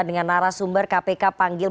dengan narasumber kpk panggil